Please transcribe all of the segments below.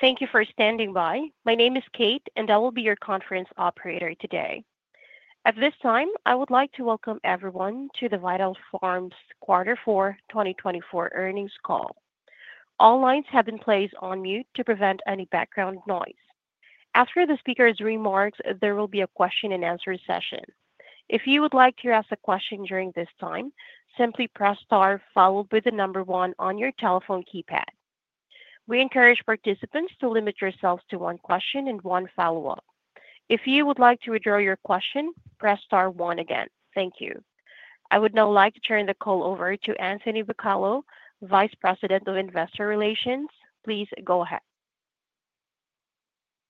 Thank you for standing by. My name is Kate, and I will be your conference operator today. At this time, I would like to welcome everyone to the Vital Farms Quarter 4, 2024 Earnings Call. All lines have been placed on mute to prevent any background noise. After the speaker's remarks, there will be a question-and-answer session. If you would like to ask a question during this time, simply press star followed by the number one on your telephone keypad. We encourage participants to limit yourselves to one question and one follow-up. If you would like to withdraw your question, press star one again. Thank you. I would now like to turn the call over to Anthony Bucalo, Vice President of Investor Relations. Please go ahead.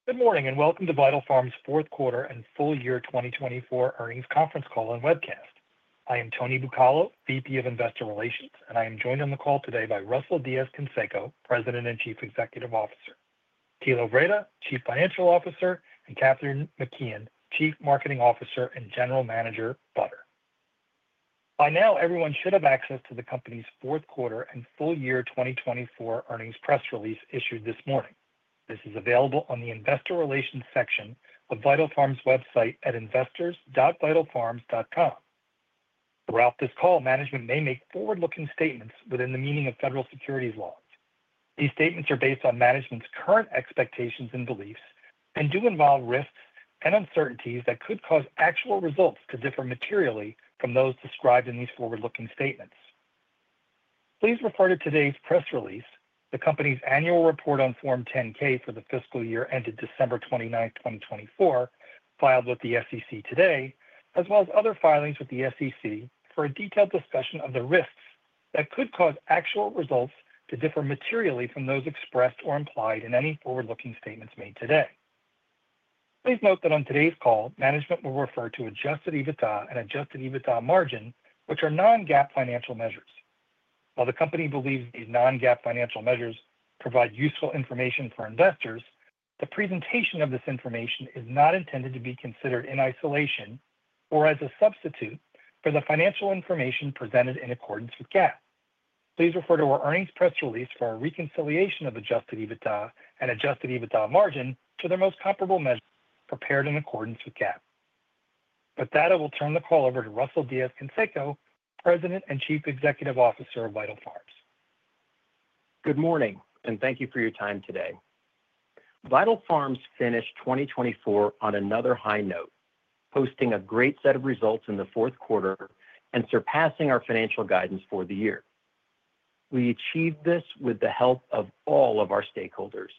Good morning and welcome to Vital Farms' Fourth Quarter and Full Year 2024 Earnings Conference Call and Webcast. I am Tony Bucalo, VP of Investor Relations, and I am joined on the call today by Russell Diez-Canseco, President and Chief Executive Officer, Thilo Wrede, Chief Financial Officer, and Kathryn McKeon, Chief Marketing Officer and General Manager, Butter. By now, everyone should have access to the company's Fourth Quarter and Full Year 2024 earnings press release issued this morning. This is available on the Investor Relations section of Vital Farms' website at investors.vitalfarms.com. Throughout this call, management may make forward-looking statements within the meaning of federal securities laws. These statements are based on management's current expectations and beliefs and do involve risks and uncertainties that could cause actual results to differ materially from those described in these forward-looking statements. Please refer to today's press release, the company's annual report on Form 10-K for the fiscal year ended December 29, 2024, filed with the SEC today, as well as other filings with the SEC for a detailed discussion of the risks that could cause actual results to differ materially from those expressed or implied in any forward-looking statements made today. Please note that on today's call, management will refer to adjusted EBITDA and adjusted EBITDA margin, which are non-GAAP financial measures. While the company believes these non-GAAP financial measures provide useful information for investors, the presentation of this information is not intended to be considered in isolation or as a substitute for the financial information presented in accordance with GAAP. Please refer to our earnings press release for a reconciliation of adjusted EBITDA and adjusted EBITDA margin to their most comparable measures prepared in accordance with GAAP. With that, I will turn the call over to Russell Diez-Canseco, President and Chief Executive Officer of Vital Farms. Good morning, and thank you for your time today. Vital Farms finished 2024 on another high note, posting a great set of results in the fourth quarter and surpassing our financial guidance for the year. We achieved this with the help of all of our stakeholders,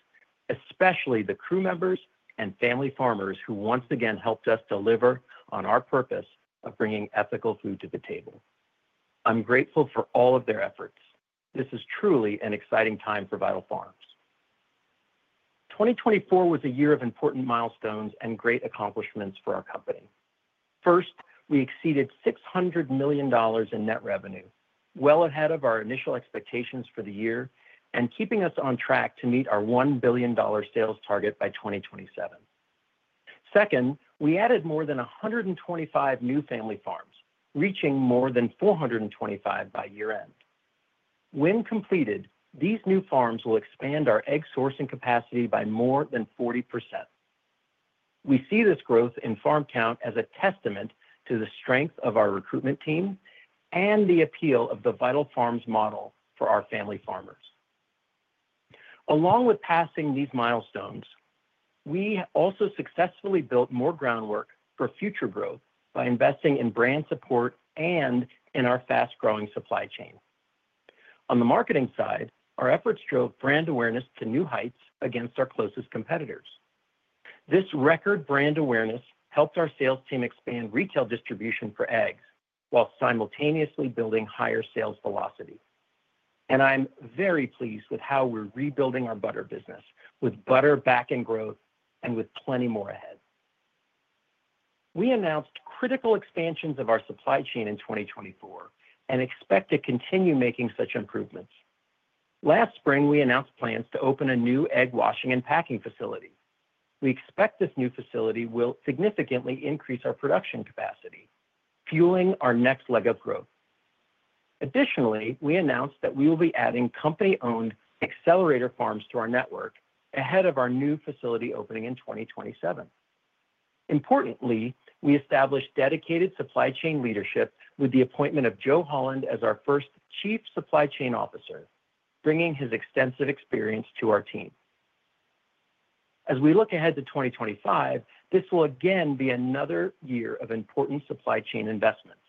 especially the crew members and family farmers who once again helped us deliver on our purpose of bringing ethical food to the table. I'm grateful for all of their efforts. This is truly an exciting time for Vital Farms. 2024 was a year of important milestones and great accomplishments for our company. First, we exceeded $600 million in net revenue, well ahead of our initial expectations for the year and keeping us on track to meet our $1 billion sales target by 2027. Second, we added more than 125 new family farms, reaching more than 425 by year-end. When completed, these new farms will expand our egg sourcing capacity by more than 40%. We see this growth in farm count as a testament to the strength of our recruitment team and the appeal of the Vital Farms model for our family farmers. Along with passing these milestones, we also successfully built more groundwork for future growth by investing in brand support and in our fast-growing supply chain. On the marketing side, our efforts drove brand awareness to new heights against our closest competitors. This record brand awareness helped our sales team expand retail distribution for eggs while simultaneously building higher sales velocity. And I'm very pleased with how we're rebuilding our butter business with butter back in growth and with plenty more ahead. We announced critical expansions of our supply chain in 2024 and expect to continue making such improvements. Last spring, we announced plans to open a new egg washing and packing facility. We expect this new facility will significantly increase our production capacity, fueling our next leg of growth. Additionally, we announced that we will be adding company-owned accelerator farms to our network ahead of our new facility opening in 2027. Importantly, we established dedicated supply chain leadership with the appointment of Joe Holland as our first Chief Supply Chain Officer, bringing his extensive experience to our team. As we look ahead to 2025, this will again be another year of important supply chain investments.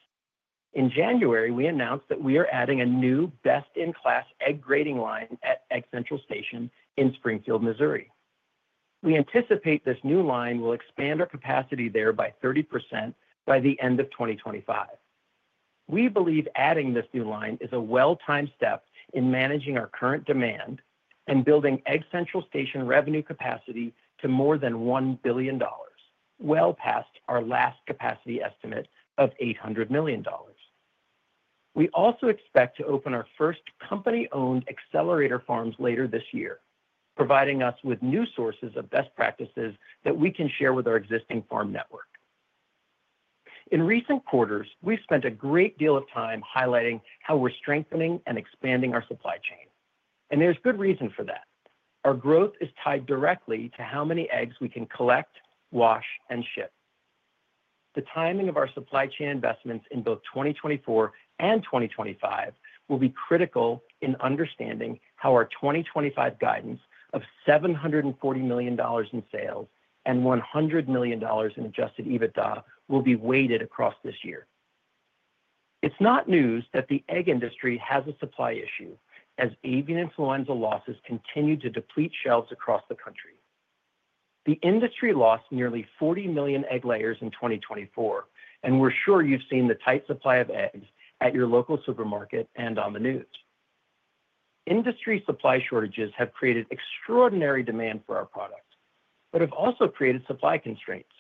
In January, we announced that we are adding a new best-in-class egg grading line at Egg Central Station in Springfield, Missouri. We anticipate this new line will expand our capacity there by 30% by the end of 2025. We believe adding this new line is a well-timed step in managing our current demand and building Egg Central Station revenue capacity to more than $1 billion, well past our last capacity estimate of $800 million. We also expect to open our first company-owned accelerator farms later this year, providing us with new sources of best practices that we can share with our existing farm network. In recent quarters, we've spent a great deal of time highlighting how we're strengthening and expanding our supply chain, and there's good reason for that. Our growth is tied directly to how many eggs we can collect, wash, and ship. The timing of our supply chain investments in both 2024 and 2025 will be critical in understanding how our 2025 guidance of $740 million in sales and $100 million in adjusted EBITDA will be weighted across this year. It's not news that the egg industry has a supply issue as avian influenza losses continue to deplete shelves across the country. The industry lost nearly 40 million egg layers in 2024, and we're sure you've seen the tight supply of eggs at your local supermarket and on the news. Industry supply shortages have created extraordinary demand for our product but have also created supply constraints.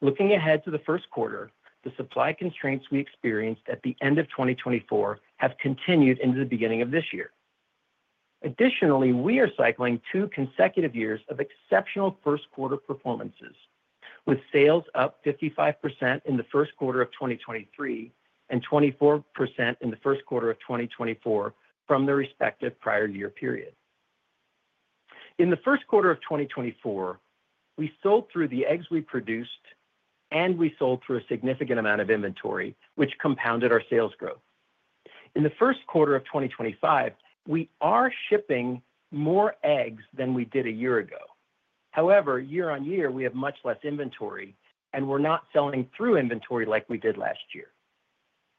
Looking ahead to the first quarter, the supply constraints we experienced at the end of 2024 have continued into the beginning of this year. Additionally, we are cycling two consecutive years of exceptional first-quarter performances, with sales up 55% in the first quarter of 2023 and 24% in the first quarter of 2024 from the respective prior year period. In the first quarter of 2024, we sold through the eggs we produced, and we sold through a significant amount of inventory, which compounded our sales growth. In the first quarter of 2025, we are shipping more eggs than we did a year ago. However, year-on-year, we have much less inventory, and we're not selling through inventory like we did last year.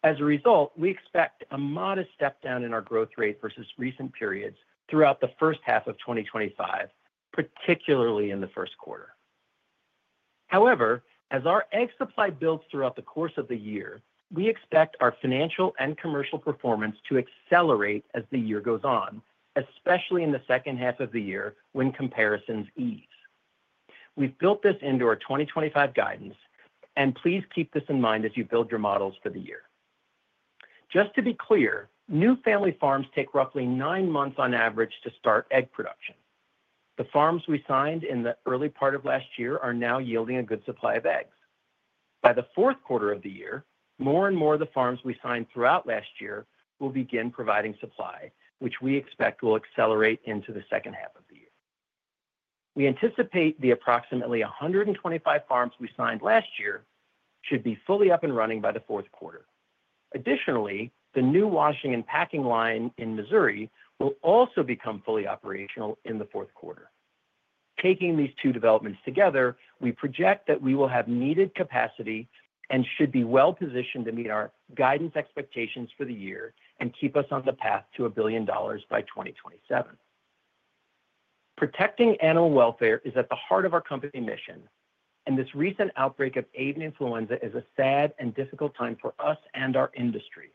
As a result, we expect a modest step down in our growth rate versus recent periods throughout the first half of 2025, particularly in the first quarter. However, as our egg supply builds throughout the course of the year, we expect our financial and commercial performance to accelerate as the year goes on, especially in the second half of the year when comparisons ease. We've built this into our 2025 guidance, and please keep this in mind as you build your models for the year. Just to be clear, new family farms take roughly nine months on average to start egg production. The farms we signed in the early part of last year are now yielding a good supply of eggs. By the fourth quarter of the year, more and more of the farms we signed throughout last year will begin providing supply, which we expect will accelerate into the second half of the year. We anticipate the approximately 125 farms we signed last year should be fully up and running by the fourth quarter. Additionally, the new washing and packing line in Missouri will also become fully operational in the fourth quarter. Taking these two developments together, we project that we will have needed capacity and should be well-positioned to meet our guidance expectations for the year and keep us on the path to $1 billion by 2027. Protecting animal welfare is at the heart of our company mission, and this recent outbreak of avian influenza is a sad and difficult time for us and our industry.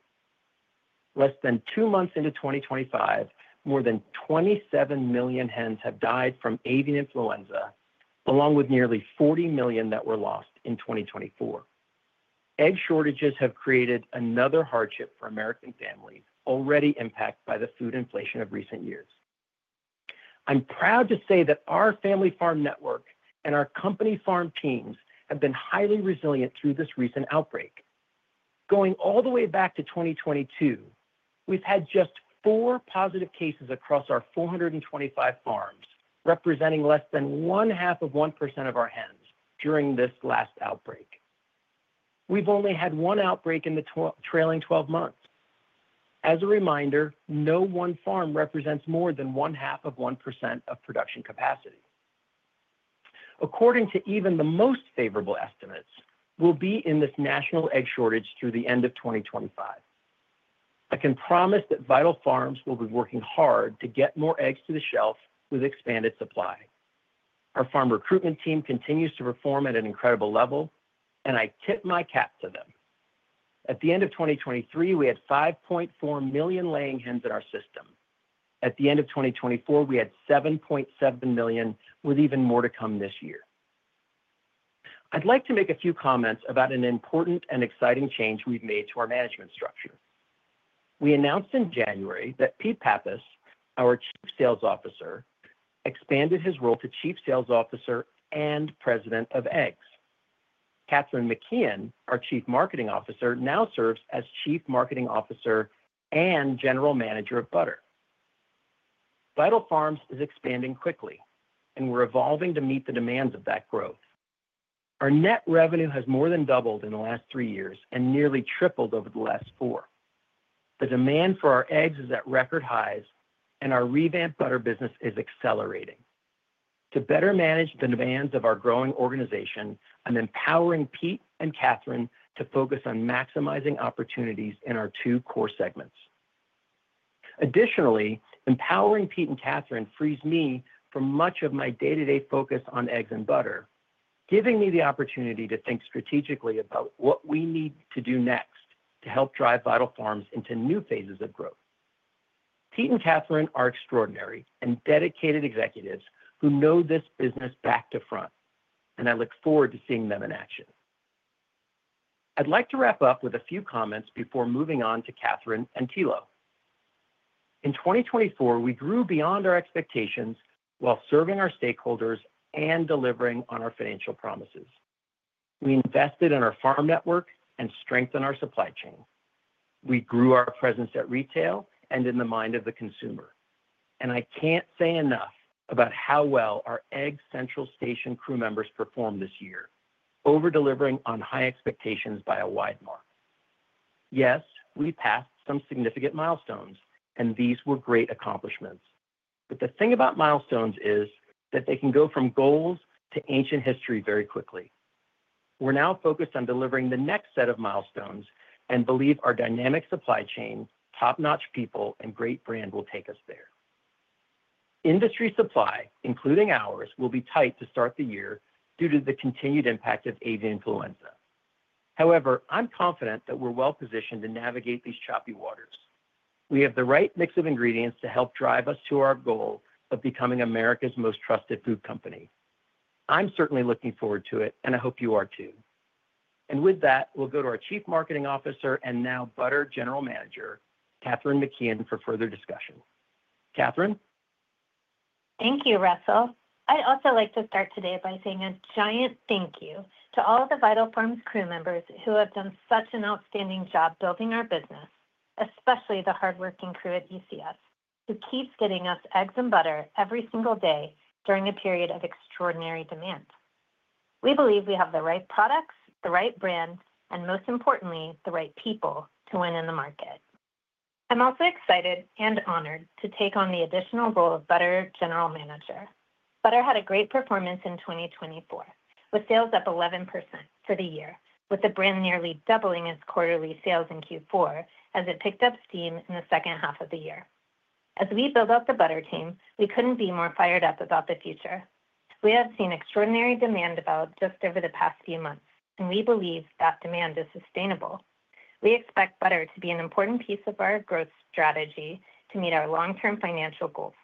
Less than two months into 2025, more than 27 million hens have died from avian influenza, along with nearly 40 million that were lost in 2024. Egg shortages have created another hardship for American families, already impacted by the food inflation of recent years. I'm proud to say that our family farm network and our company farm teams have been highly resilient through this recent outbreak. Doing all the way back to 2022, we've had just four positive cases across our 425 farms, representing less than one half of 1% of our hens during this last outbreak. We've only had one outbreak in the trailing 12 months. As a reminder, no one farm represents more than one half of 1% of production capacity. According to even the most favorable estimates, we'll be in this national egg shortage through the end of 2025. I can promise that Vital Farms will be working hard to get more eggs to the shelf with expanded supply. Our farm recruitment team continues to perform at an incredible level, and I tip my cap to them. At the end of 2023, we had 5.4 million laying hens in our system. At the end of 2024, we had 7.7 million, with even more to come this year. I'd like to make a few comments about an important and exciting change we've made to our management structure. We announced in January that Pete Pappas, our Chief Sales Officer, expanded his role to Chief Sales Officer and President of Eggs. Kathryn McKeon, our Chief Marketing Officer, now serves as Chief Marketing Officer and General Manager of Butter. Vital Farms is expanding quickly, and we're evolving to meet the demands of that growth. Our net revenue has more than doubled in the last three years and nearly tripled over the last four. The demand for our eggs is at record highs, and our revamped butter business is accelerating. To better manage the demands of our growing organization, I'm empowering Pete and Kathryn to focus on maximizing opportunities in our two core segments. Additionally, empowering Pete and Kathryn frees me from much of my day-to-day focus on eggs and butter, giving me the opportunity to think strategically about what we need to do next to help drive Vital Farms into new phases of growth. Pete and Kathryn are extraordinary and dedicated executives who know this business back to front, and I look forward to seeing them in action. I'd like to wrap up with a few comments before moving on to Kathryn and Thilo. In 2024, we grew beyond our expectations while serving our stakeholders and delivering on our financial promises. We invested in our farm network and strengthened our supply chain. We grew our presence at retail and in the mind of the consumer. And I can't say enough about how well our Egg Central Station crew members performed this year, overdelivering on high expectations by a wide mark. Yes, we passed some significant milestones, and these were great accomplishments. But the thing about milestones is that they can go from goals to ancient history very quickly. We're now focused on delivering the next set of milestones and believe our dynamic supply chain, top-notch people, and great brand will take us there. Industry supply, including ours, will be tight to start the year due to the continued impact of avian influenza. However, I'm confident that we're well-positioned to navigate these choppy waters. We have the right mix of ingredients to help drive us to our goal of becoming America's most trusted food company. I'm certainly looking forward to it, and I hope you are too. And with that, we'll go to our Chief Marketing Officer and now Butter General Manager, Kathryn McKeon, for further discussion. Kathryn? Thank you, Russell. I'd also like to start today by saying a giant thank you to all of the Vital Farms crew members who have done such an outstanding job building our business, especially the hardworking crew at ECS, who keeps getting us eggs and butter every single day during a period of extraordinary demand. We believe we have the right products, the right brand, and most importantly, the right people to win in the market. I'm also excited and honored to take on the additional role of Butter General Manager. Butter had a great performance in 2024, with sales up 11% for the year, with the brand nearly doubling its quarterly sales in Q4 as it picked up steam in the second half of the year. As we build out the Butter team, we couldn't be more fired up about the future. We have seen extraordinary demand develop just over the past few months, and we believe that demand is sustainable. We expect Butter to be an important piece of our growth strategy to meet our long-term financial goals.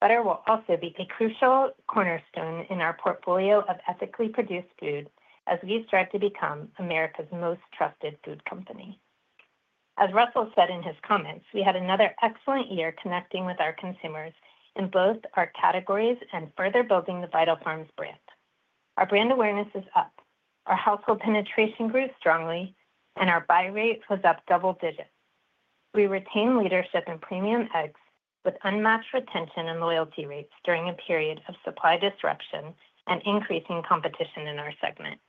Butter will also be a crucial cornerstone in our portfolio of ethically produced food as we strive to become America's most trusted food company. As Russell said in his comments, we had another excellent year connecting with our consumers in both our categories and further building the Vital Farms brand. Our brand awareness is up, our household penetration grew strongly, and our buy rate was up double digits. We retained leadership in premium eggs with unmatched retention and loyalty rates during a period of supply disruption and increasing competition in our segment.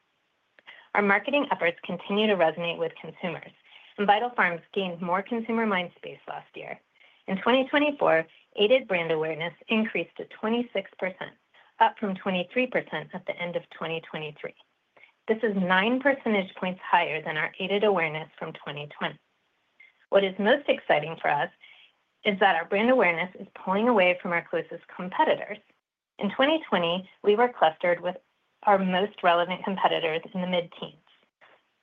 Our marketing efforts continue to resonate with consumers, and Vital Farms gained more consumer mind space last year. In 2024, aided brand awareness increased to 26%, up from 23% at the end of 2023. This is 9 percentage points higher than our aided awareness from 2020. What is most exciting for us is that our brand awareness is pulling away from our closest competitors. In 2020, we were clustered with our most relevant competitors in the mid-teens.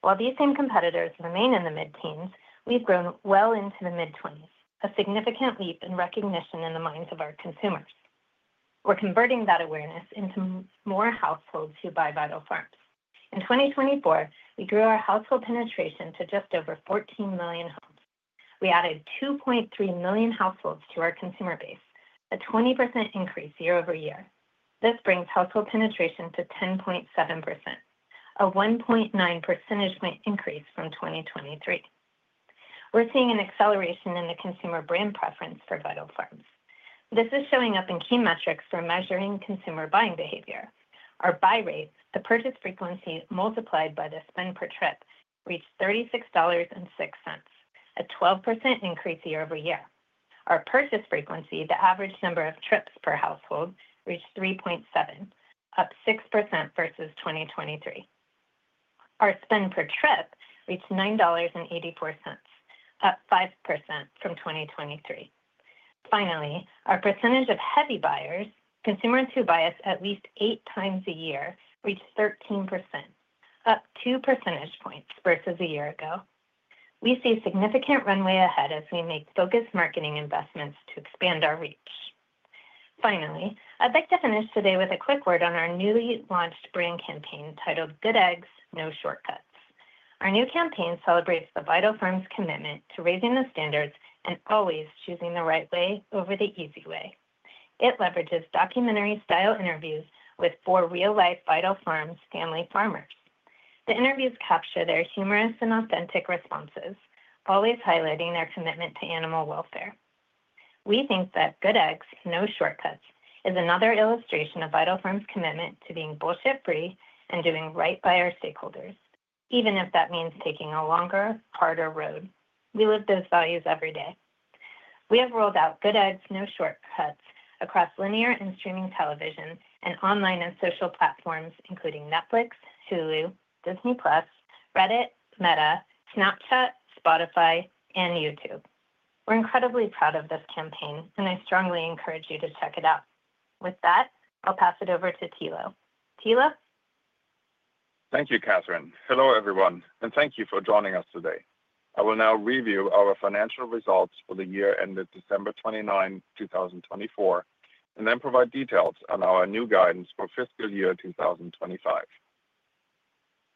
While these same competitors remain in the mid-teens, we've grown well into the mid-20s, a significant leap in recognition in the minds of our consumers. We're converting that awareness into more households who buy Vital Farms. In 2024, we grew our household penetration to just over 14 million homes. We added 2.3 million households to our consumer base, a 20% increase year-over-year. This brings household penetration to 10.7%, a 1.9 percentage point increase from 2023. We're seeing an acceleration in the consumer brand preference for Vital Farms. This is showing up in key metrics for measuring consumer buying behavior. Our buy rate, the purchase frequency multiplied by the spend per trip, reached $36.06, a 12% increase year-over-year. Our purchase frequency, the average number of trips per household, reached 3.7, up 6% versus 2023. Our spend per trip reached $9.84, up 5% from 2023. Finally, our percentage of heavy buyers, consumers who buy us at least eight times a year, reached 13%, up 2 percentage points versus a year ago. We see a significant runway ahead as we make focused marketing investments to expand our reach. Finally, I'd like to finish today with a quick word on our newly launched brand campaign titled "Good Eggs, No Shortcuts." Our new campaign celebrates the Vital Farms commitment to raising the standards and always choosing the right way over the easy way. It leverages documentary-style interviews with four real-life Vital Farms family farmers. The interviews capture their humorous and authentic responses, always highlighting their commitment to animal welfare. We think that "Good Eggs, No Shortcuts" is another illustration of Vital Farms' commitment to being bullshit-free and doing right by our stakeholders, even if that means taking a longer, harder road. We live those values every day. We have rolled out "Good Eggs, No Shortcuts" across linear and streaming television and online and social platforms, including Netflix, Hulu, Disney+, Reddit, Meta, Snapchat, Spotify, and YouTube. We're incredibly proud of this campaign, and I strongly encourage you to check it out. With that, I'll pass it over to Thilo. Thilo? Thank you, Kathryn. Hello everyone, and thank you for joining us today. I will now review our financial results for the year ended December 29, 2024, and then provide details on our new guidance for fiscal year 2025.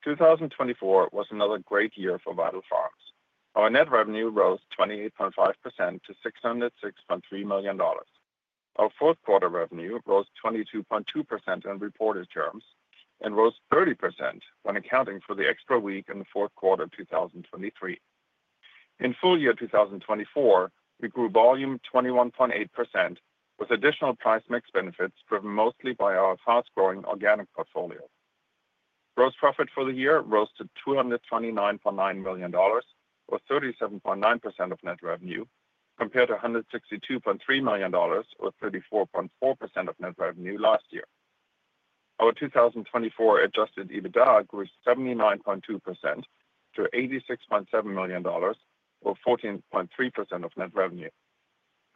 2024 was another great year for Vital Farms. Our net revenue rose 28.5% to $606.3 million. Our fourth quarter revenue rose 22.2% in reported terms and rose 30% when accounting for the extra week in the fourth quarter of 2023. In full year 2024, we grew volume 21.8% with additional price mix benefits driven mostly by our fast-growing organic portfolio. Gross profit for the year rose to $229.9 million, or 37.9% of net revenue, compared to $162.3 million, or 34.4% of net revenue last year. Our 2024 Adjusted EBITDA grew 79.2% to $86.7 million, or 14.3% of net revenue.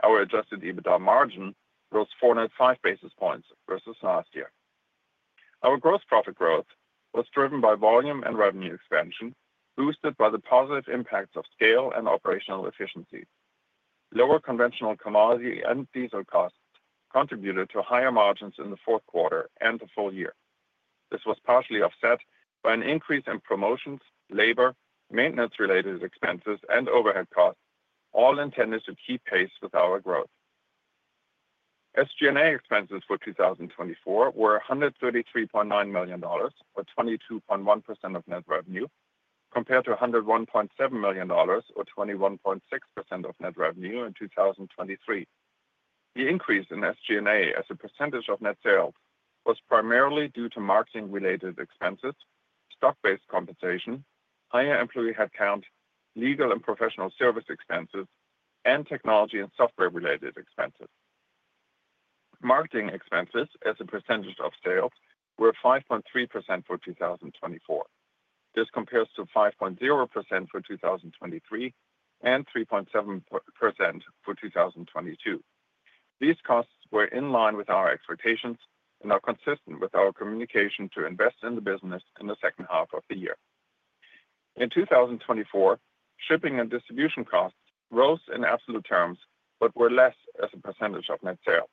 Our Adjusted EBITDA margin rose 405 basis points versus last year. Our gross profit growth was driven by volume and revenue expansion, boosted by the positive impacts of scale and operational efficiency. Lower conventional commodity and diesel costs contributed to higher margins in the fourth quarter and the full year. This was partially offset by an increase in promotions, labor, maintenance-related expenses, and overhead costs, all intended to keep pace with our growth. SG&A expenses for 2024 were $133.9 million, or 22.1% of net revenue, compared to $101.7 million, or 21.6% of net revenue in 2023. The increase in SG&A as a percentage of net sales was primarily due to marketing-related expenses, stock-based compensation, higher employee headcount, legal and professional service expenses, and technology and software-related expenses. Marketing expenses as a percentage of sales were 5.3% for 2024. This compares to 5.0% for 2023 and 3.7% for 2022. These costs were in line with our expectations and are consistent with our communication to invest in the business in the second half of the year. In 2024, shipping and distribution costs rose in absolute terms but were less as a percentage of net sales.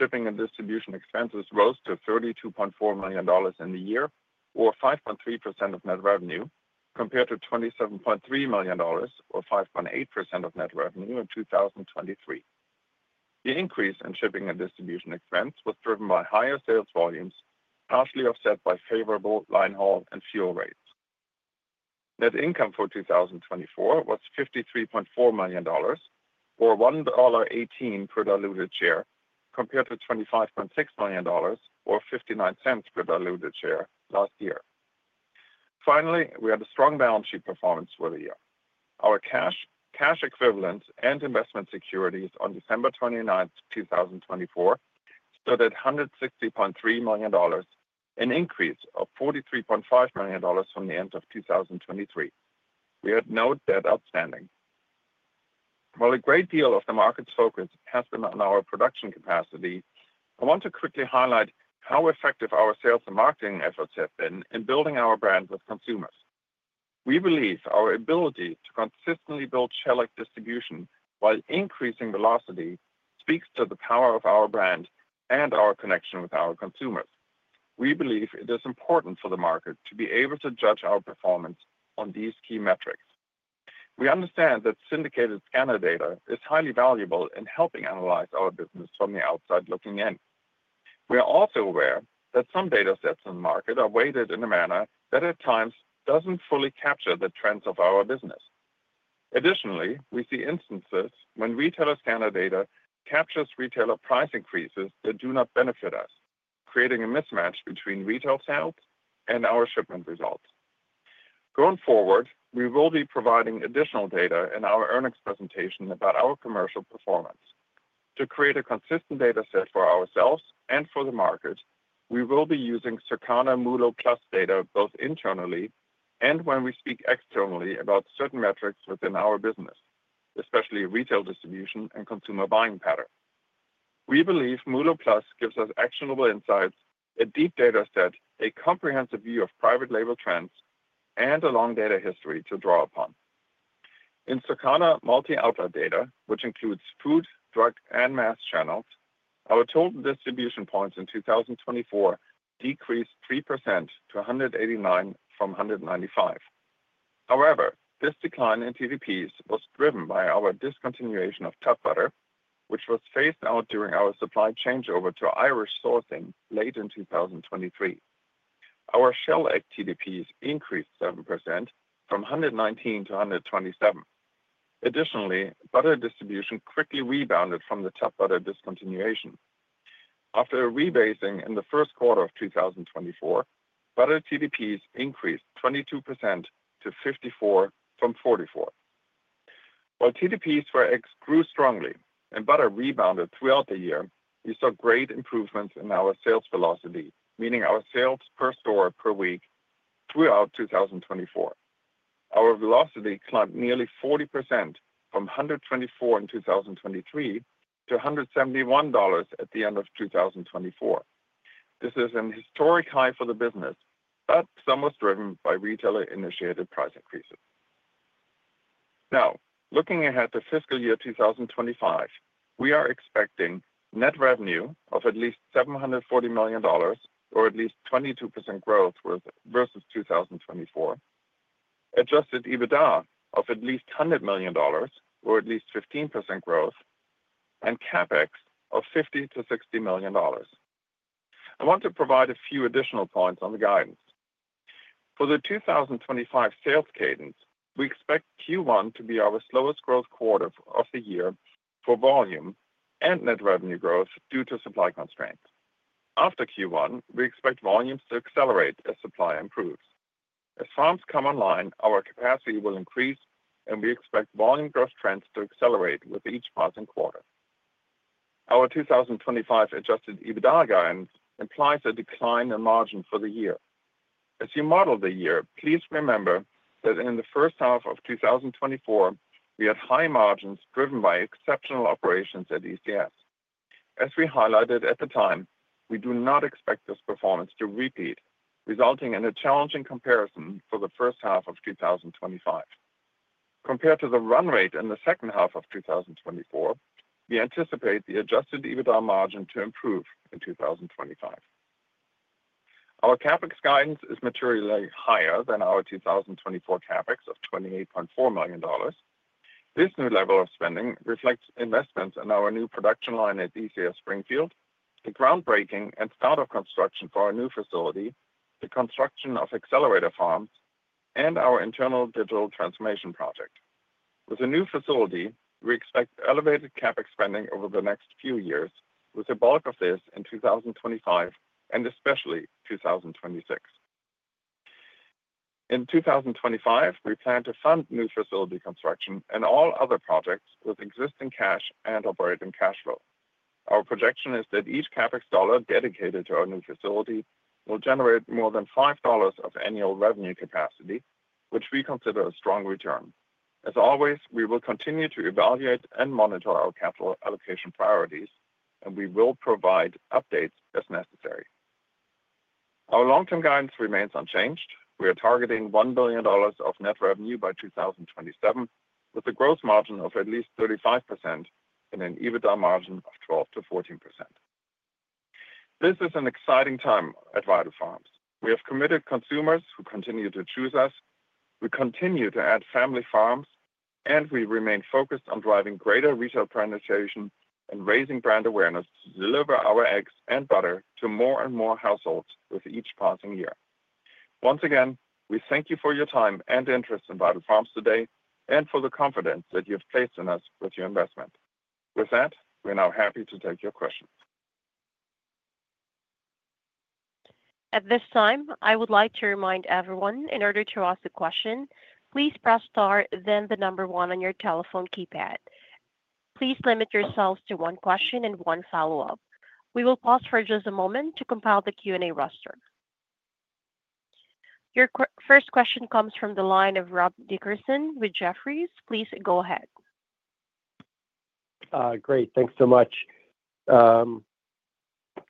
Shipping and distribution expenses rose to $32.4 million in the year, or 5.3% of net revenue, compared to $27.3 million, or 5.8% of net revenue in 2023. The increase in shipping and distribution expense was driven by higher sales volumes, partially offset by favorable linehaul and fuel rates. Net income for 2024 was $53.4 million, or $1.18 per diluted share, compared to $25.6 million, or $0.59 per diluted share last year. Finally, we had a strong balance sheet performance for the year. Our cash, cash equivalents, and investment securities on December 29, 2024, stood at $160.3 million, an increase of $43.5 million from the end of 2023. We had no debt outstanding. While a great deal of the market's focus has been on our production capacity, I want to quickly highlight how effective our sales and marketing efforts have been in building our brand with consumers. We believe our ability to consistently build shell egg distribution while increasing velocity speaks to the power of our brand and our connection with our consumers. We believe it is important for the market to be able to judge our performance on these key metrics. We understand that syndicated scanner data is highly valuable in helping analyze our business from the outside looking in. We are also aware that some data sets in the market are weighted in a manner that at times doesn't fully capture the trends of our business. Additionally, we see instances when retailer scanner data captures retailer price increases that do not benefit us, creating a mismatch between retail sales and our shipment results. Going forward, we will be providing additional data in our earnings presentation about our commercial performance. To create a consistent data set for ourselves and for the market, we will be using Circana MULO+ data both internally and when we speak externally about certain metrics within our business, especially retail distribution and consumer buying pattern. We believe MULO+ gives us actionable insights, a deep data set, a comprehensive view of private label trends, and a long data history to draw upon. In Circana multi-outlet data, which includes food, drug, and mass channels, our total distribution points in 2024 decreased 3% to 189 from 195. However, this decline in TDPs was driven by our discontinuation of tub butter, which was phased out during our supply changeover to Irish sourcing late in 2023. Our shell-egg TDPs increased 7% from 119 to 127. Additionally, butter distribution quickly rebounded from the tub butter discontinuation. After a rebasing in the first quarter of 2024, butter TDPs increased 22% to 54 from 44. While TDPs for eggs grew strongly and butter rebounded throughout the year, we saw great improvements in our sales velocity, meaning our sales per store per week throughout 2024. Our velocity climbed nearly 40% from $124 in 2023 to $171 at the end of 2024. This is a historic high for the business, but some was driven by retailer-initiated price increases. Now, looking ahead to fiscal year 2025, we are expecting net revenue of at least $740 million, or at least 22% growth versus 2024, adjusted EBITDA of at least $100 million, or at least 15% growth, and CapEx of $50-$60 million. I want to provide a few additional points on the guidance. For the 2025 sales cadence, we expect Q1 to be our slowest growth quarter of the year for volume and net revenue growth due to supply constraints. After Q1, we expect volumes to accelerate as supply improves. As farms come online, our capacity will increase, and we expect volume growth trends to accelerate with each passing quarter. Our 2025 adjusted EBITDA guidance implies a decline in margin for the year. As you model the year, please remember that in the first half of 2024, we had high margins driven by exceptional operations at ECS. As we highlighted at the time, we do not expect this performance to repeat, resulting in a challenging comparison for the first half of 2025. Compared to the run rate in the second half of 2024, we anticipate the Adjusted EBITDA margin to improve in 2025. Our CapEx guidance is materially higher than our 2024 CapEx of $28.4 million. This new level of spending reflects investments in our new production line at ECS Springfield, the groundbreaking and startup construction for our new facility, the construction of accelerator farms, and our internal digital transformation project. With a new facility, we expect elevated CapEx spending over the next few years, with a bulk of this in 2025 and especially 2026. In 2025, we plan to fund new facility construction and all other projects with existing cash and operating cash flow. Our projection is that each CapEx dollar dedicated to our new facility will generate more than $5 of annual revenue capacity, which we consider a strong return. As always, we will continue to evaluate and monitor our capital allocation priorities, and we will provide updates as necessary. Our long-term guidance remains unchanged. We are targeting $1 billion of net revenue by 2027, with a gross margin of at least 35% and an EBITDA margin of 12%-14%. This is an exciting time at Vital Farms. We have committed consumers who continue to choose us. We continue to add family farms, and we remain focused on driving greater retail penetration and raising brand awareness to deliver our eggs and butter to more and more households with each passing year. Once again, we thank you for your time and interest in Vital Farms today and for the confidence that you have placed in us with your investment. With that, we're now happy to take your questions. At this time, I would like to remind everyone, in order to ask a question, please press star, then the number one on your telephone keypad. Please limit yourselves to one question and one follow-up. We will pause for just a moment to compile the Q&A roster. Your first question comes from the line of Rob Dickerson with Jefferies. Please go ahead. Great. Thanks so much.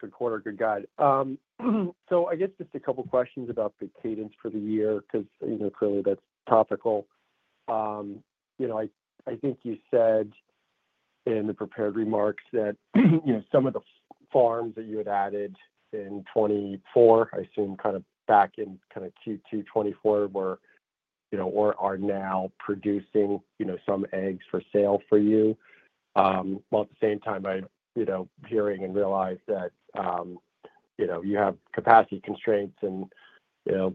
Good quarter, good guide. So I guess just a couple of questions about the cadence for the year, because clearly that's topical. You know, I think you said in the prepared remarks that some of the farms that you had added in 2024, I assume kind of back in 2022, 2024, were or are now producing some eggs for sale for you. Well, at the same time, I'm hearing and realize that you have capacity constraints, and the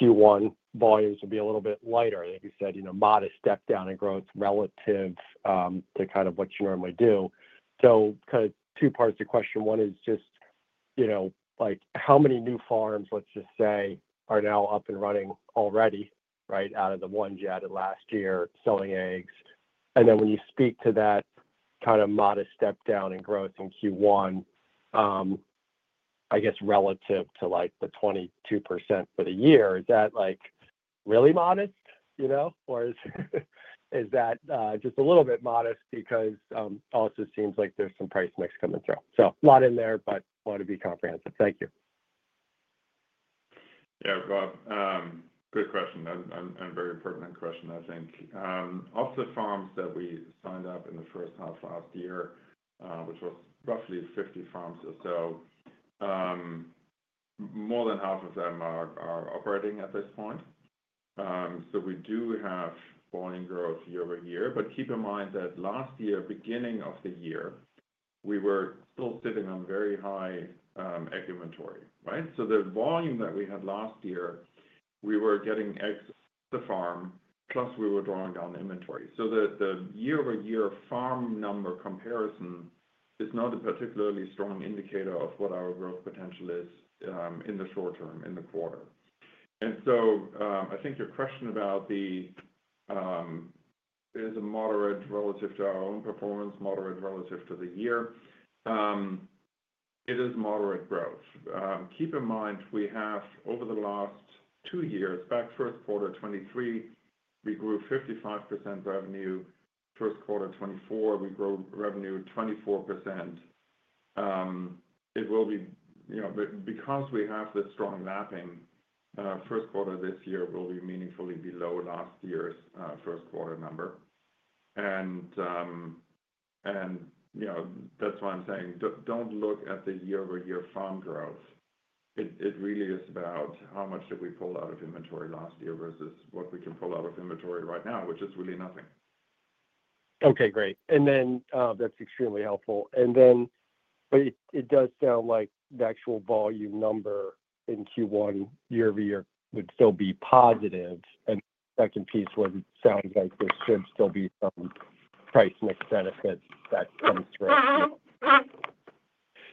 Q1 volumes will be a little bit lighter. Like you said, modest step down in growth relative to kind of what you normally do. So kind of two parts of the question. One is just how many new farms, let's just say, are now up and running already, right, out of the ones you added last year selling eggs? And then when you speak to that kind of modest step down in growth in Q1, I guess relative to the 22% for the year, is that really modest? Or is that just a little bit modest because it also seems like there's some price mix coming through? So a lot in there, but wanted to be comprehensive. Thank you. Yeah, good question. And a very pertinent question, I think. Of the farms that we signed up in the first half last year, which was roughly 50 farms or so, more than half of them are operating at this point. So we do have volume growth year-over-year. But keep in mind that last year, beginning of the year, we were still sitting on very high egg inventory, right? So the volume that we had last year, we were getting eggs off the farm, plus we were drawing down inventory. So the year-over-year farm number comparison is not a particularly strong indicator of what our growth potential is in the short term, in the quarter. And so, I think your question about the—is it moderate relative to our own performance, moderate relative to the year? It is moderate growth. Keep in mind, we have over the last two years, back first quarter 2023, we grew 55% revenue. First quarter 2024, we grew revenue 24%. It will be, because we have this strong mapping, first quarter this year will be meaningfully below last year's first quarter number. And that's why I'm saying don't look at the year-over-year farm growth. It really is about how much did we pull out of inventory last year versus what we can pull out of inventory right now, which is really nothing. Okay, great. And then that's extremely helpful. And then it does sound like the actual volume number in Q1 year-over-year would still be positive. And second piece was it sounds like there should still be some price mix benefit that comes through.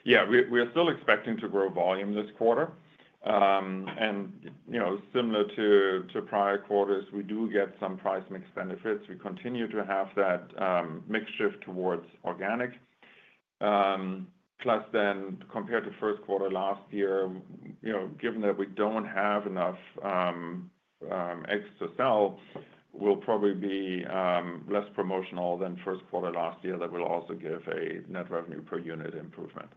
Yeah, we're still expecting to grow volume this quarter. And similar to prior quarters, we do get some price mix benefits. We continue to have that mix shift towards organic. Plus then, compared to first quarter last year, given that we don't have enough eggs to sell, we'll probably be less promotional than first quarter last year, that will also give a net revenue per unit improvement.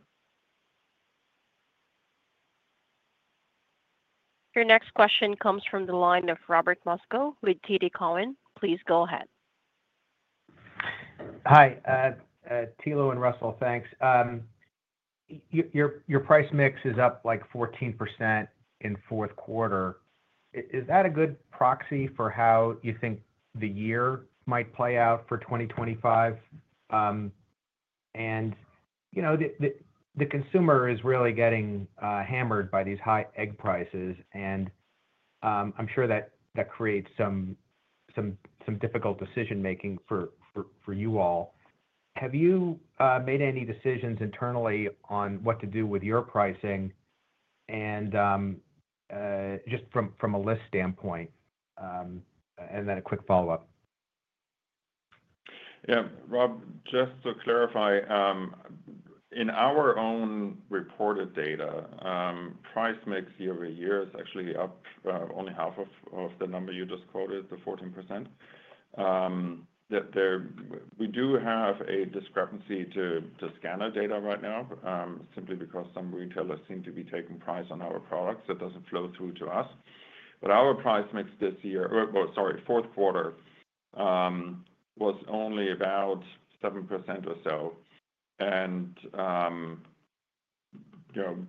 Your next question comes from the line of Robert Moskow with TD Cowen. Please go ahead. Hi, Thilo and Russell, thanks. Your price mix is up like 14% in fourth quarter. Is that a good proxy for how you think the year might play out for 2025? And the consumer is really getting hammered by these high egg prices, and I'm sure that creates some difficult decision-making for you all. Have you made any decisions internally on what to do with your pricing? And just from a list standpoint, and then a quick follow-up. Yeah, Rob, just to clarify, in our own reported data, price mix year-over-year is actually up only half of the number you just quoted, the 14%. We do have a discrepancy to scanner data right now, simply because some retailers seem to be taking price on our products that doesn't flow through to us. But our price mix this year, or sorry, fourth quarter, was only about 7% or so. And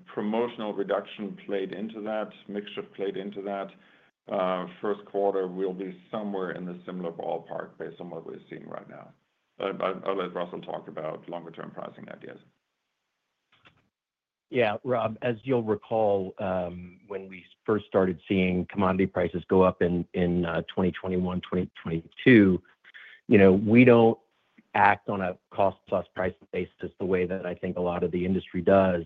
promotional reduction played into that, mix played into that. First quarter will be somewhere in a similar ballpark based on what we're seeing right now. I'll let Russell talk about longer-term pricing ideas. Yeah, Rob, as you'll recall, when we first started seeing commodity prices go up in 2021, 2022, we don't act on a cost-plus price basis the way that I think a lot of the industry does.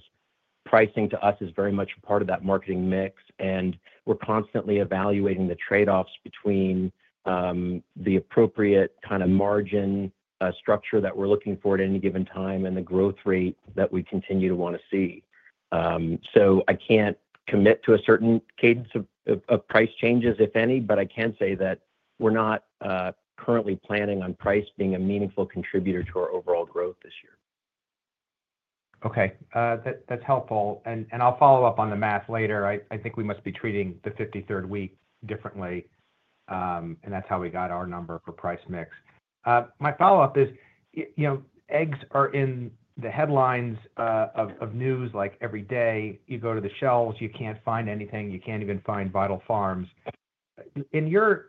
Pricing to us is very much a part of that marketing mix, and we're constantly evaluating the trade-offs between the appropriate kind of margin structure that we're looking for at any given time and the growth rate that we continue to want to see. So I can't commit to a certain cadence of price changes, if any, but I can say that we're not currently planning on price being a meaningful contributor to our overall growth this year. Okay, that's helpful. And I'll follow up on the math later. I think we must be treating the 53rd week differently, and that's how we got our number for price mix. My follow-up is eggs are in the headlines of news like every day. You go to the shelves, you can't find anything. You can't even find Vital Farms. In your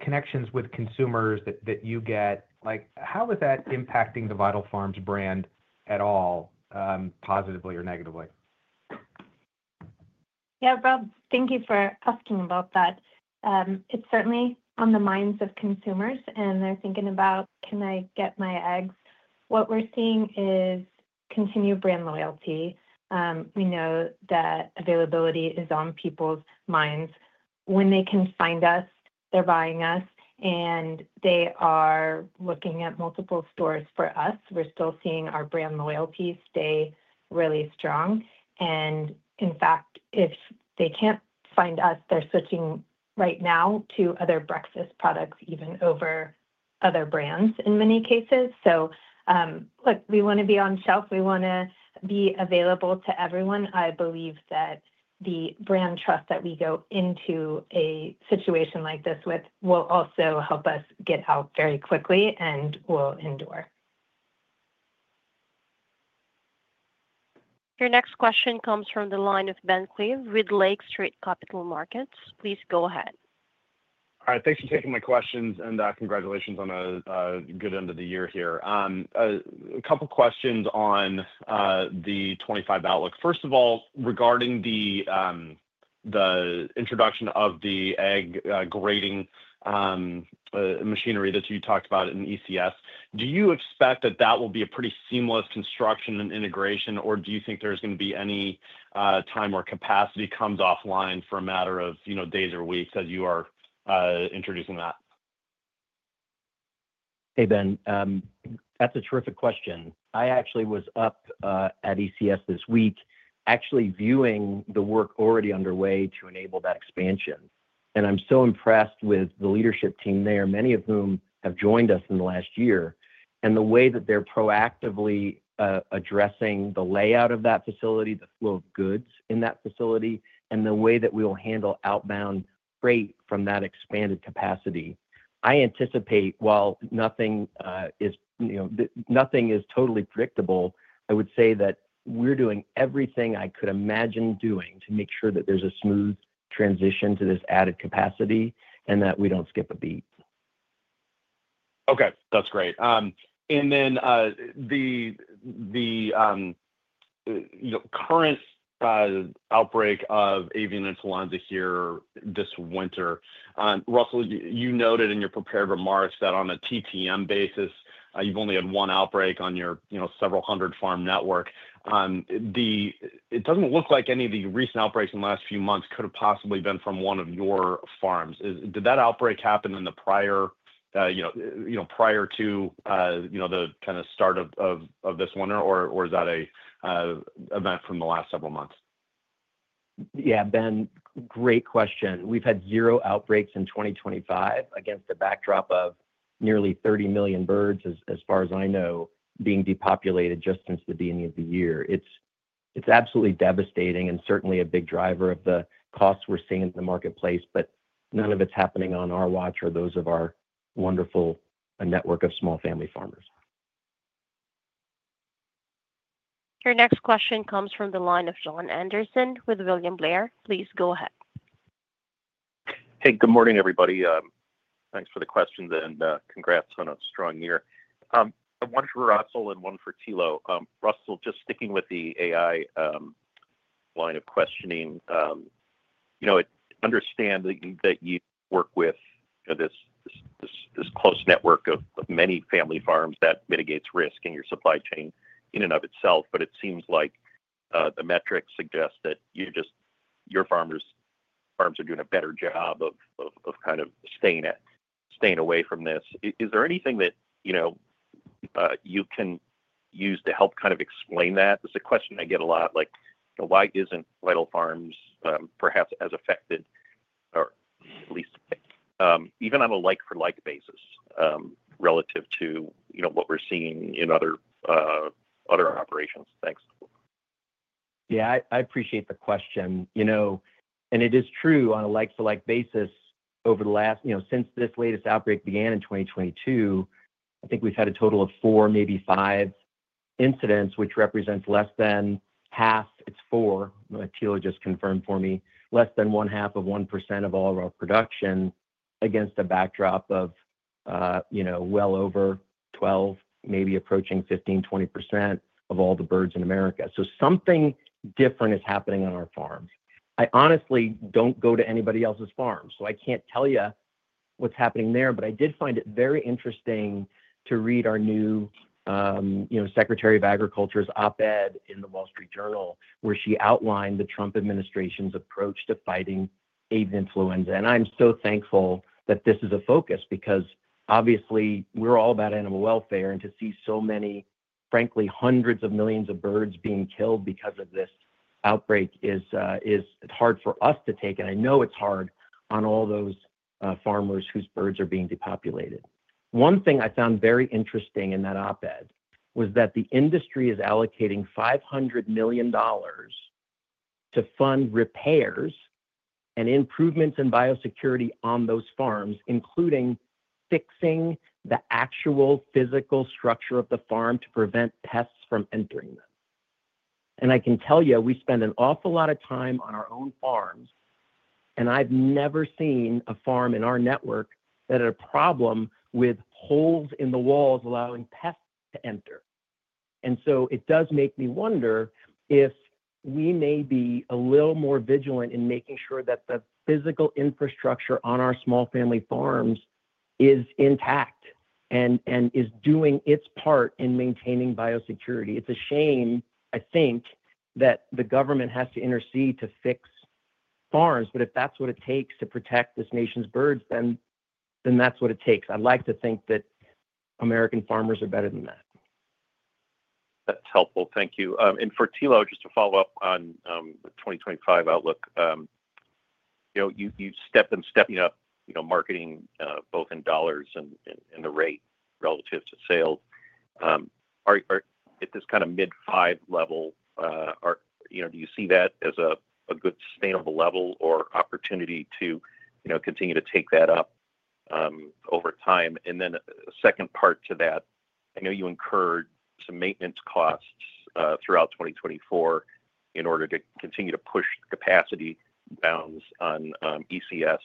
connections with consumers that you get, how is that impacting the Vital Farms brand at all, positively or negatively? Yeah, Rob, thank you for asking about that. It's certainly on the minds of consumers, and they're thinking about, "Can I get my eggs?" What we're seeing is continued brand loyalty. We know that availability is on people's minds. When they can find us, they're buying us, and they are looking at multiple stores for us. We're still seeing our brand loyalty stay really strong. In fact, if they can't find us, they're switching right now to other breakfast products, even over other brands in many cases. Look, we want to be on shelf. We want to be available to everyone. I believe that the brand trust that we go into a situation like this with will also help us get out very quickly and will endure. Your next question comes from the line of Ben Klieve with Lake Street Capital Markets. Please go ahead. All right, thanks for taking my questions, and congratulations on a good end of the year here. A couple of questions on the 2025 outlook. First of all, regarding the introduction of the egg grading machinery that you talked about in ECS, do you expect that that will be a pretty seamless construction and integration, or do you think there's going to be any time or capacity comes offline for a matter of days or weeks as you are introducing that? Hey, Ben, that's a terrific question. I actually was up at ECS this week, actually viewing the work already underway to enable that expansion, and I'm so impressed with the leadership team there, many of whom have joined us in the last year, and the way that they're proactively addressing the layout of that facility, the flow of goods in that facility, and the way that we will handle outbound freight from that expanded capacity. I anticipate, while nothing is totally predictable, I would say that we're doing everything I could imagine doing to make sure that there's a smooth transition to this added capacity and that we don't skip a beat. Okay, that's great. And then the current outbreak of avian influenza here this winter, Russell, you noted in your prepared remarks that on a TTM basis, you've only had one outbreak on your several hundred farm network. It doesn't look like any of the recent outbreaks in the last few months could have possibly been from one of your farms. Did that outbreak happen prior to the kind of start of this winter, or is that an event from the last several months? Yeah, Ben, great question. We've had zero outbreaks in 2025 against the backdrop of nearly 30 million birds, as far as I know, being depopulated just since the beginning of the year. It's absolutely devastating and certainly a big driver of the costs we're seeing in the marketplace, but none of it's happening on our watch or those of our wonderful network of small family farmers. Your next question comes from the line of Jon Andersen with William Blair. Please go ahead. Hey, good morning, everybody. Thanks for the questions and congrats on a strong year. One for Russell and one for Thilo. Russell, just sticking with the AI line of questioning, I understand that you work with this close network of many family farms that mitigates risk in your supply chain in and of itself, but it seems like the metrics suggest that your farms are doing a better job of kind of staying away from this. Is there anything that you can use to help kind of explain that? It's a question I get a lot. Why isn't Vital Farms perhaps as affected, or at least even on a like-for-like basis, relative to what we're seeing in other operations? Thanks. Yeah, I appreciate the question. It is true on a like-for-like basis over the last since this latest outbreak began in 2022. I think we've had a total of four, maybe five incidents, which represents less than half. It's four, Thilo just confirmed for me. Less than one half of 1% of all of our production against a backdrop of well over 12%, maybe approaching 15%-20% of all the birds in America. Something different is happening on our farms. I honestly don't go to anybody else's farms, so I can't tell you what's happening there, but I did find it very interesting to read our new Secretary of Agriculture's op-ed in The Wall Street Journal, where she outlined the Trump administration's approach to fighting avian influenza. I'm so thankful that this is a focus because, obviously, we're all about animal welfare, and to see so many, frankly, hundreds of millions of birds being killed because of this outbreak is hard for us to take. I know it's hard on all those farmers whose birds are being depopulated. One thing I found very interesting in that op-ed was that the industry is allocating $500 million to fund repairs and improvements in biosecurity on those farms, including fixing the actual physical structure of the farm to prevent pests from entering them. I can tell you, we spend an awful lot of time on our own farms, and I've never seen a farm in our network that had a problem with holes in the walls allowing pests to enter. And so it does make me wonder if we may be a little more vigilant in making sure that the physical infrastructure on our small family farms is intact and is doing its part in maintaining biosecurity. It's a shame, I think, that the government has to intercede to fix farms, but if that's what it takes to protect this nation's birds, then that's what it takes. I'd like to think that American farmers are better than that. That's helpful. Thank you. And for Thilo, just to follow up on the 2025 outlook, you've stepped up marketing both in dollars and the rate relative to sales. At this kind of mid-5 level, do you see that as a good sustainable level or opportunity to continue to take that up over time? And then a second part to that, I know you incurred some maintenance costs throughout 2024 in order to continue to push capacity downs on ECS.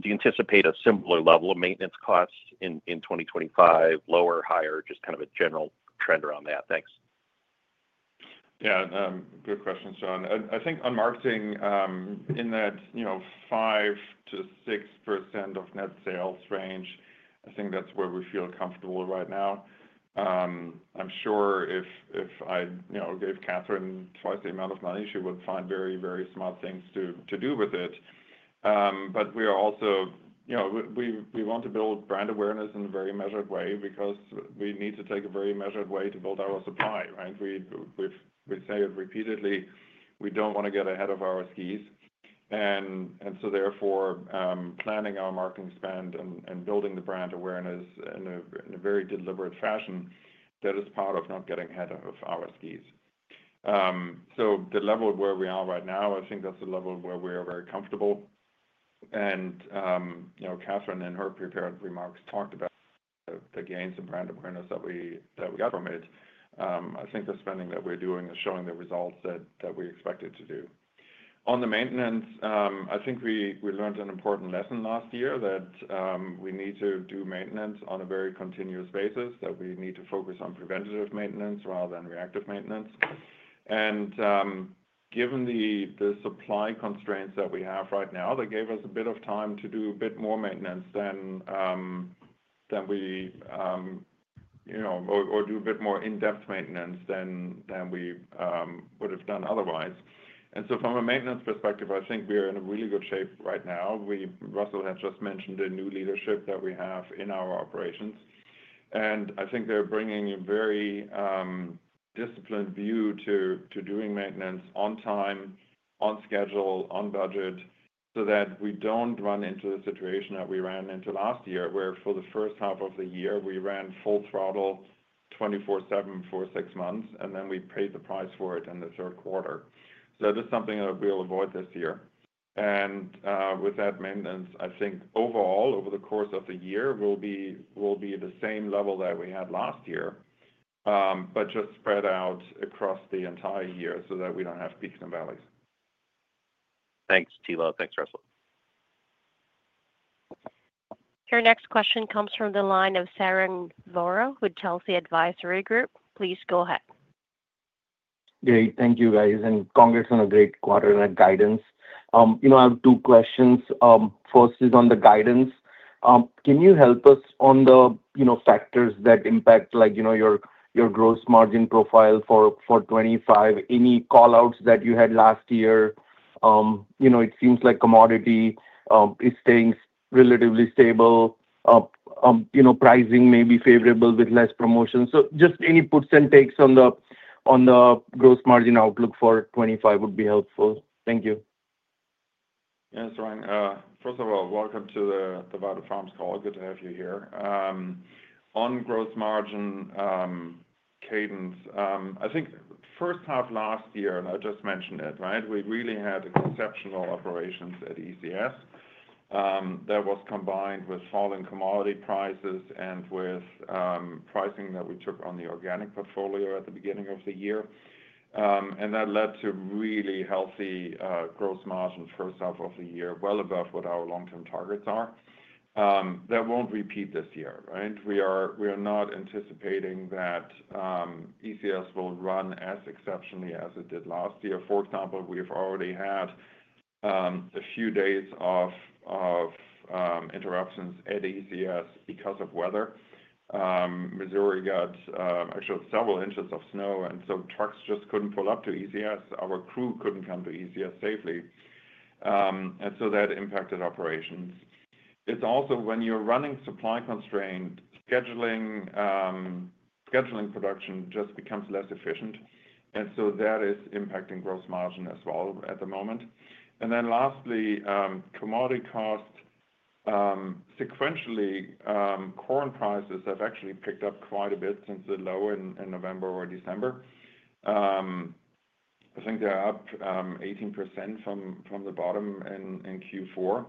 Do you anticipate a similar level of maintenance costs in 2025, lower, higher, just kind of a general trend around that? Thanks. Yeah, good question, Jon. I think on marketing, in that 5%-6% of net sales range, I think that's where we feel comfortable right now. I'm sure if I gave Kathryn twice the amount of money, she would find very, very smart things to do with it. But we are also. We want to build brand awareness in a very measured way because we need to take a very measured way to build our supply, right? We say it repeatedly. We don't want to get ahead of our skis. And so, therefore, planning our marketing spend and building the brand awareness in a very deliberate fashion, that is part of not getting ahead of our skis. So the level where we are right now, I think that's the level where we are very comfortable. And Kathryn, in her prepared remarks, talked about the gains in brand awareness that we got from it. I think the spending that we're doing is showing the results that we expected to do. On the maintenance, I think we learned an important lesson last year that we need to do maintenance on a very continuous basis, that we need to focus on preventative maintenance rather than reactive maintenance. Given the supply constraints that we have right now, that gave us a bit of time to do a bit more in-depth maintenance than we would have done otherwise. From a maintenance perspective, I think we are in a really good shape right now. Russell had just mentioned the new leadership that we have in our operations. I think they're bringing a very disciplined view to doing maintenance on time, on schedule, on budget, so that we don't run into the situation that we ran into last year, where for the first half of the year, we ran full throttle 24/7 for six months, and then we paid the price for it in the third quarter. That is something that we'll avoid this year. And with that maintenance, I think overall, over the course of the year, we'll be at the same level that we had last year, but just spread out across the entire year so that we don't have peaks and valleys. Thanks, Thilo. Thanks, Russell. Your next question comes from the line of Sarang Vora with Telsey Advisory Group. Please go ahead. Great. Thank you, guys. And congrats on a great quarter and guidance. I have two questions. First is on the guidance. Can you help us on the factors that impact your gross margin profile for 2025? Any callouts that you had last year? It seems like commodity is staying relatively stable, pricing may be favorable with less promotion. So just any puts and takes on the gross margin outlook for 2025 would be helpful. Thank you. Yeah, that's right. First of all, welcome to the Vital Farms call. Good to have you here. On gross margin cadence, I think first half last year, and I just mentioned it, right? We really had exceptional operations at ECS that was combined with falling commodity prices and with pricing that we took on the organic portfolio at the beginning of the year. And that led to really healthy gross margins first half of the year, well above what our long-term targets are. That won't repeat this year, right? We are not anticipating that ECS will run as exceptionally as it did last year. For example, we've already had a few days of interruptions at ECS because of weather. Missouri got actually several inches of snow, and so trucks just couldn't pull up to ECS. Our crew couldn't come to ECS safely. And so that impacted operations. It's also when you're running supply constraints, scheduling production just becomes less efficient. And so that is impacting gross margin as well at the moment. And then lastly, commodity costs sequentially, corn prices have actually picked up quite a bit since the low in November or December. I think they're up 18% from the bottom in Q4.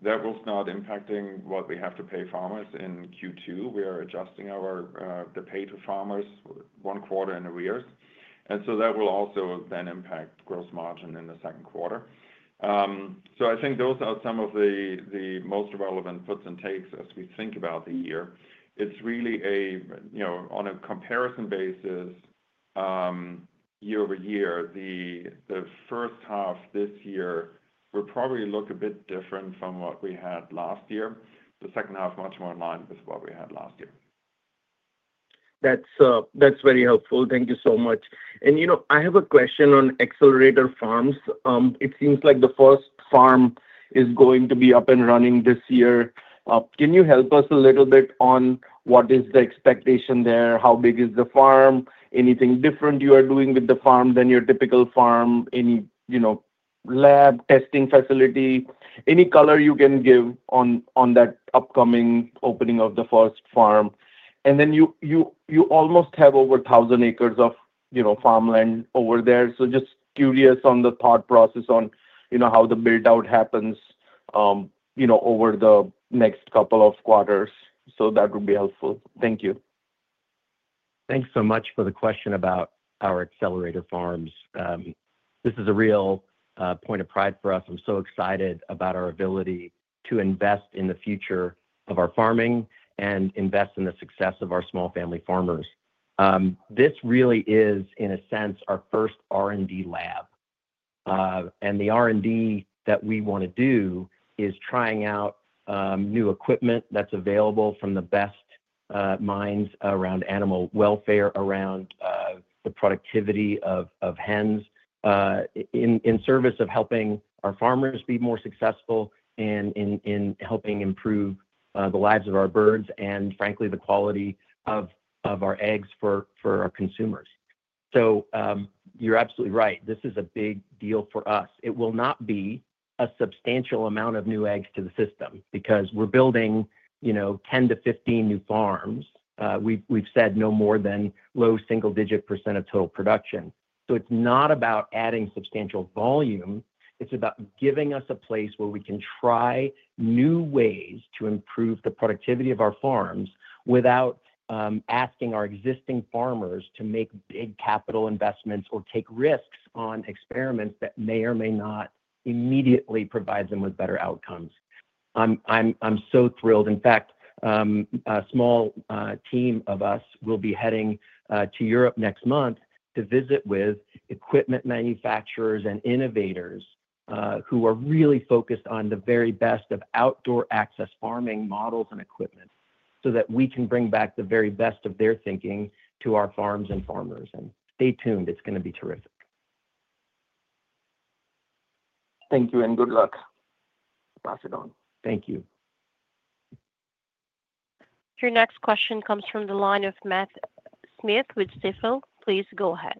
That will start impacting what we have to pay farmers in Q2. We are adjusting the pay to farmers one quarter in arrears. And so that will also then impact gross margin in the second quarter. So I think those are some of the most relevant puts and takes as we think about the year. It's really on a comparison basis, year-over-year, the first half this year will probably look a bit different from what we had last year. The second half, much more in line with what we had last year. That's very helpful. Thank you so much. And I have a question on accelerator farms. It seems like the first farm is going to be up and running this year. Can you help us a little bit on what is the expectation there? How big is the farm? Anything different you are doing with the farm than your typical farm? Any lab testing facility? Any color you can give on that upcoming opening of the first farm? And then you almost have over 1,000 acres of farmland over there. So just curious on the thought process on how the build-out happens over the next couple of quarters. So that would be helpful. Thank you. Thanks so much for the question about our accelerator farms. This is a real point of pride for us. I'm so excited about our ability to invest in the future of our farming and invest in the success of our small family farmers. This really is, in a sense, our first R&D lab. And the R&D that we want to do is trying out new equipment that's available from the best minds around animal welfare, around the productivity of hens, in service of helping our farmers be more successful and in helping improve the lives of our birds and, frankly, the quality of our eggs for our consumers. So you're absolutely right. This is a big deal for us. It will not be a substantial amount of new eggs to the system because we're building 10-15 new farms. We've said no more than low single-digit % of total production. So it's not about adding substantial volume. It's about giving us a place where we can try new ways to improve the productivity of our farms without asking our existing farmers to make big capital investments or take risks on experiments that may or may not immediately provide them with better outcomes. I'm so thrilled. In fact, a small team of us will be heading to Europe next month to visit with equipment manufacturers and innovators who are really focused on the very best of outdoor access farming models and equipment so that we can bring back the very best of their thinking to our farms and farmers. And stay tuned. It's going to be terrific. Thank you and good luck. Pass it on. Thank you. Your next question comes from the line of Matt Smith with Stifel. Please go ahead.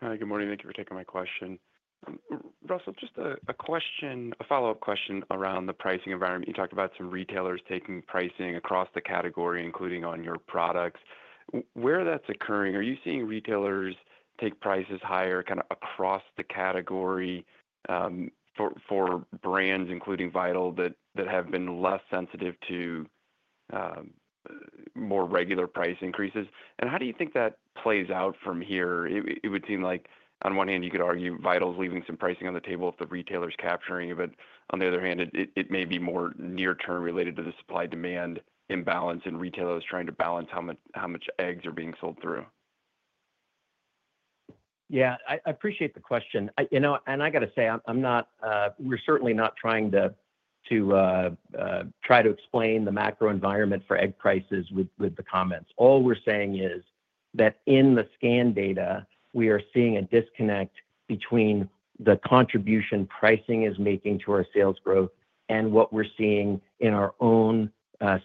Hi. Good morning. Thank you for taking my question. Russell, just a follow-up question around the pricing environment. You talked about some retailers taking pricing across the category, including on your products. Where that's occurring, are you seeing retailers take prices higher kind of across the category for brands, including Vital, that have been less sensitive to more regular price increases? And how do you think that plays out from here? It would seem like, on one hand, you could argue Vital's leaving some pricing on the table if the retailer's capturing it, but on the other hand, it may be more near-term related to the supply-demand imbalance in retailers trying to balance how much eggs are being sold through. Yeah. I appreciate the question. And I got to say, we're certainly not trying to explain the macro environment for egg prices with the comments. All we're saying is that in the scan data, we are seeing a disconnect between the contribution pricing is making to our sales growth and what we're seeing in our own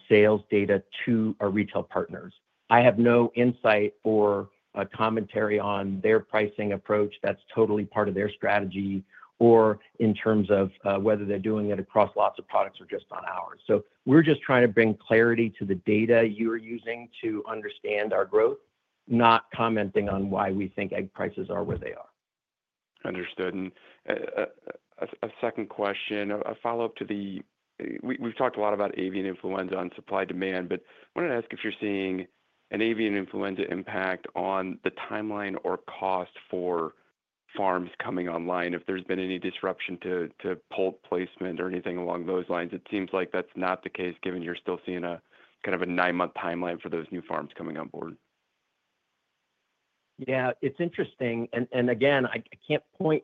sales data to our retail partners. I have no insight or commentary on their pricing approach. That's totally part of their strategy or in terms of whether they're doing it across lots of products or just on ours. So we're just trying to bring clarity to the data you're using to understand our growth, not commenting on why we think egg prices are where they are. Understood. And a second question, a follow-up to the we've talked a lot about avian influenza and supply-demand, but I wanted to ask if you're seeing an avian influenza impact on the timeline or cost for farms coming online, if there's been any disruption to pullet placement or anything along those lines. It seems like that's not the case given you're still seeing a kind of a nine-month timeline for those new farms coming on board. Yeah. It's interesting, and again, I can't point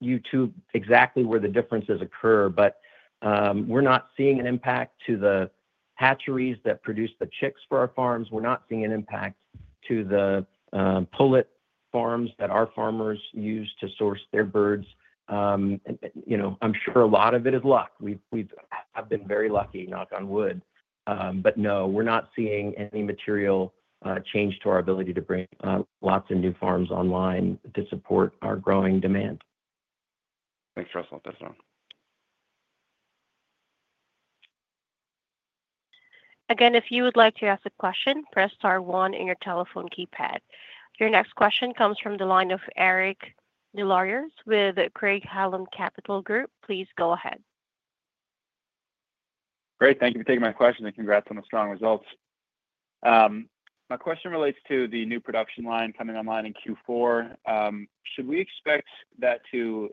you to exactly where the differences occur, but we're not seeing an impact to the hatcheries that produce the chicks for our farms. We're not seeing an impact to the pullet farms that our farmers use to source their birds. I'm sure a lot of it is luck. We have been very lucky, knock on wood. But no, we're not seeing any material change to our ability to bring lots of new farms online to support our growing demand. Thanks, Russell. That's all. Again, if you would like to ask a question, press star one in your telephone keypad. Your next question comes from the line of Eric Des Lauriers with Craig-Hallum Capital Group. Please go ahead. Great. Thank you for taking my question and congrats on the strong results. My question relates to the new production line coming online in Q4. Should we expect that to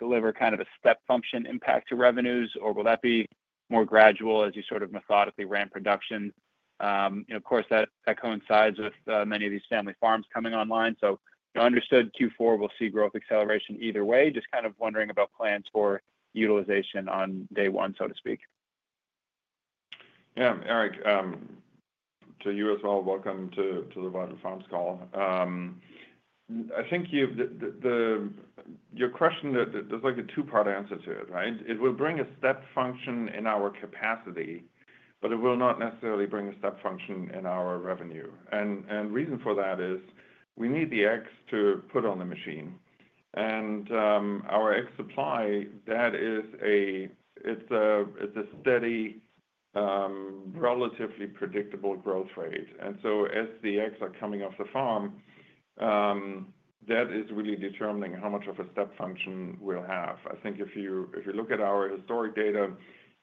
deliver kind of a step function impact to revenues, or will that be more gradual as you sort of methodically ran production? Of course, that coincides with many of these family farms coming online. So understood Q4, we'll see growth acceleration either way. Just kind of wondering about plans for utilization on day one, so to speak. Yeah. All right. To you as well, welcome to the Vital Farms call. I think your question, there's like a two-part answer to it, right? It will bring a step function in our capacity, but it will not necessarily bring a step function in our revenue. And the reason for that is we need the eggs to put on the machine. Our egg supply, that is a steady, relatively predictable growth rate. So as the eggs are coming off the farm, that is really determining how much of a step function we'll have. I think if you look at our historic data,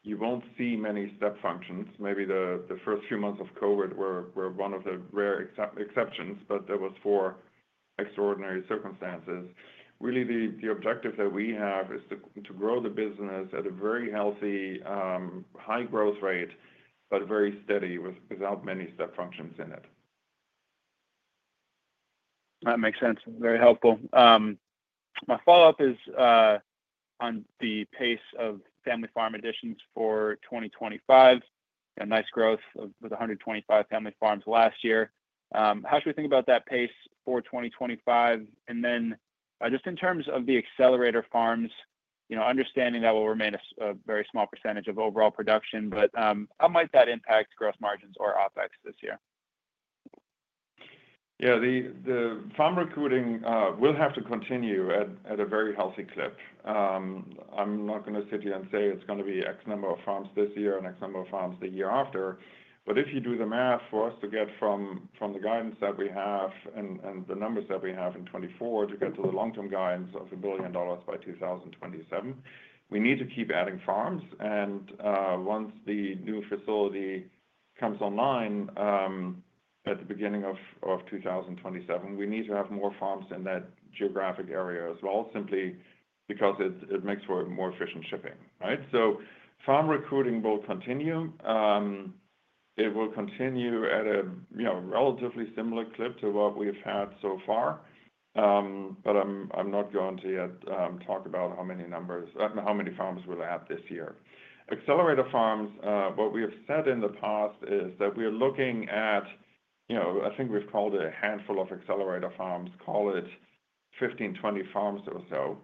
you won't see many step functions. Maybe the first few months of COVID were one of the rare exceptions, but there were four extraordinary circumstances. Really, the objective that we have is to grow the business at a very healthy, high growth rate, but very steady without many step functions in it. That makes sense. Very helpful. My follow-up is on the pace of family farm additions for 2025. Nice growth with 125 family farms last year. How should we think about that pace for 2025? And then just in terms of the accelerator farms, understanding that will remain a very small percentage of overall production, but how might that impact gross margins or OpEx this year? Yeah. The farm recruiting will have to continue at a very healthy clip. I'm not going to sit here and say it's going to be X number of farms this year and X number of farms the year after. But if you do the math for us to get from the guidance that we have and the numbers that we have in 2024 to get to the long-term guidance of $1 billion by 2027, we need to keep adding farms. And once the new facility comes online at the beginning of 2027, we need to have more farms in that geographic area as well, simply because it makes for more efficient shipping, right? So farm recruiting will continue. It will continue at a relatively similar clip to what we've had so far. But I'm not going to yet talk about how many numbers, how many farms we'll add this year. Accelerator farms, what we have said in the past is that we are looking at, I think we've called it a handful of accelerator farms, call it 15, 20 farms or so.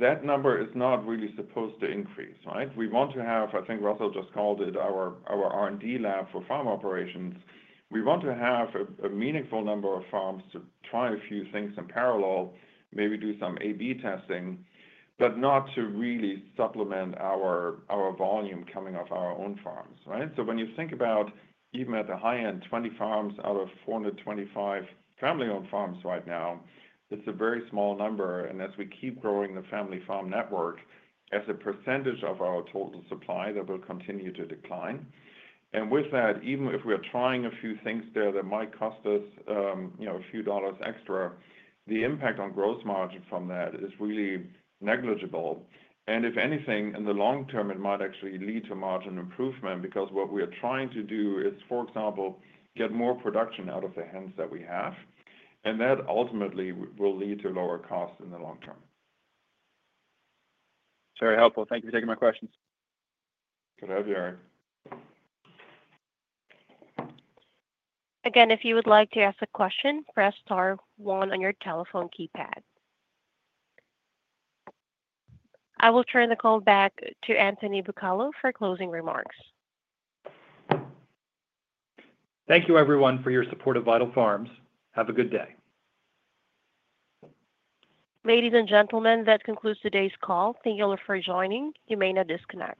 That number is not really supposed to increase, right? We want to have, I think Russell just called it our R&D lab for farm operations. We want to have a meaningful number of farms to try a few things in parallel, maybe do some A/B testing, but not to really supplement our volume coming off our own farms, right? So when you think about even at the high end, 20 farms out of 425 family-owned farms right now, it's a very small number. As we keep growing the family farm network, as a percentage of our total supply, that will continue to decline. And with that, even if we are trying a few things there that might cost us a few dollars extra, the impact on gross margin from that is really negligible. And if anything, in the long term, it might actually lead to margin improvement because what we are trying to do is, for example, get more production out of the hens that we have. And that ultimately will lead to lower costs in the long term. Very helpful. Thank you for taking my questions. Good to have you, Eric. Again, if you would like to ask a question, press star one on your telephone keypad. I will turn the call back to Anthony Bucalo for closing remarks. Thank you, everyone, for your support of Vital Farms. Have a good day. Ladies and gentlemen, that concludes today's call. Thank you all for joining. You may now disconnect.